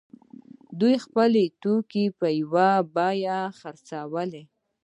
دوی خپل توکي په یوه بیه خرڅول.